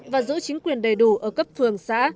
và giữ chính quyền đầy đủ ở cấp phường xã